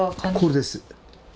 これです。